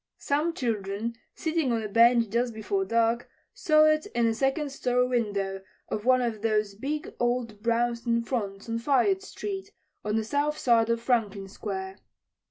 Some children sitting on a bench just before dark saw it in the second story window of one of those big old brownstone fronts on Fayette street, on the south side of Franklin Square.